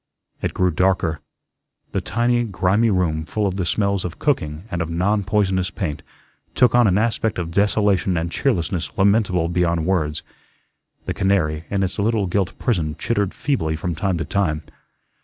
It grew darker. The tiny, grimy room, full of the smells of cooking and of "non poisonous" paint, took on an aspect of desolation and cheerlessness lamentable beyond words. The canary in its little gilt prison chittered feebly from time to time.